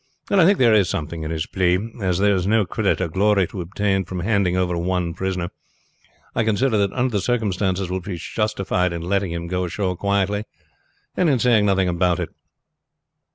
I think there is something in his plea; and as there is no credit or glory to be obtained from handing over one prisoner, I consider that under the circumstances we shall be justified in letting him go ashore quietly and in saying nothing about it.